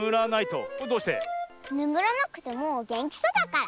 ねむらなくてもげんきそうだから。